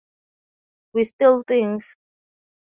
We Steal Things.